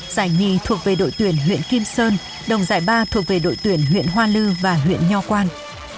giải nhì thuộc về đội tuyển huyện kim sơn đồng giải ba thuộc về đội tuyển huyện hoa lư và huyện nho quang